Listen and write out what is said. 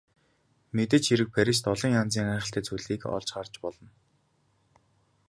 Мэдээж хэрэг Парист олон янзын гайхалтай зүйлийг олж харж болно.